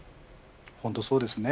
本当そうですね。